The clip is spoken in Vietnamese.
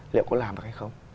liệu có làm được hay không